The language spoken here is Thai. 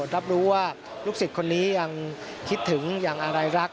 รับรู้ว่าลูกศิษย์คนนี้ยังคิดถึงอย่างอะไรรัก